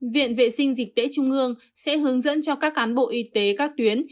viện vệ sinh dịch tễ trung ương sẽ hướng dẫn cho các cán bộ y tế các tuyến